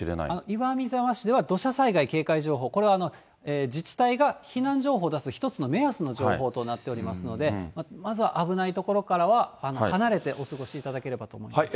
岩見沢市では、土砂災害警戒情報、これは自治体が避難情報を出す一つの目安の情報となっておりますので、まずは危ない所からは離れてお過ごしいただければと思います。